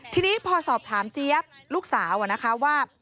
ทีนี้พอสอบถามเจี๊ยบลูกสาวนะคะว่า